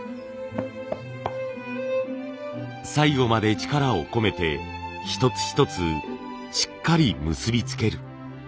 最後まで力を込めて一つ一つしっかり結びつける。